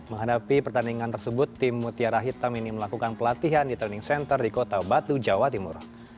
menghadapi pertandingan tersebut tim mutiara hitam ini melakukan pelatihan di training center di kota batu jawa timur